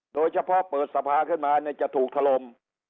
โดยเฉพาะเปิดสภาขึ้นมาจะถูกถล่ม